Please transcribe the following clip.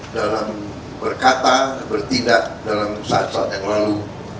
dalam berkata bertindak dalam saat saat yang lalu